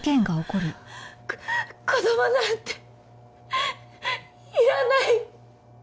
子供なんていらない！